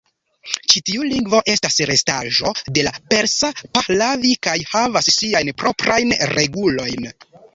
Ĉi tiu lingvo estas restaĵo de la persa Pahlavi kaj havas siajn proprajn regulojn.